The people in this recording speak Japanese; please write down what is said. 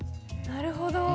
なるほど！